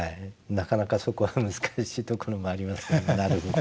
なかなかそこは難しいところもありますけどもなるほど。